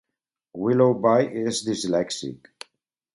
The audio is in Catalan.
Willoughby és dislèxic.